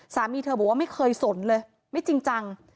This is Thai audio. สามีเธอบอกว่าไม่เคยสนเลยไม่จริงจัง